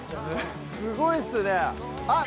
すごいっすねあっ。